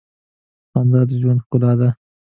خندا د ژوند ښکلا ده.